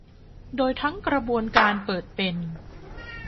โดยทั้งกระบวนการเปิดเป็น